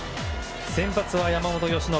先発は山本由伸。